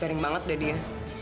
garing banget deh dia